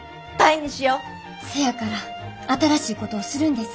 せやから新しいことをするんです。